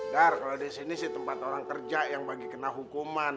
dar kalau di sini sih tempat orang kerja yang bagi kena hukuman